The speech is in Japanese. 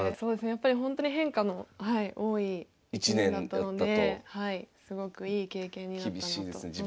やっぱりほんとに変化の多い一年だったのですごくいい経験になったなと思います。